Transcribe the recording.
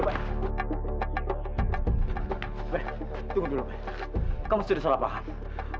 baik tunggu dulu kamu sudah salah perlahan